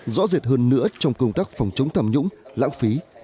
rõ rệt hơn nữa trong công tác phòng chống tham nhũng lãng phí